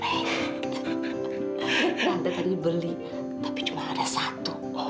ada tadi beli tapi cuma ada satu